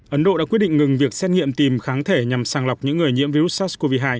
ấn độ đã quyết định ngừng việc xét nghiệm tìm kháng thể nhằm sàng lọc những người nhiễm virus sars cov hai